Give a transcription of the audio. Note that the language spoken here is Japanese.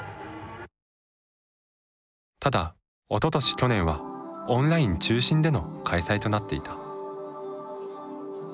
ただおととし去年はオンライン中心での開催となっていた。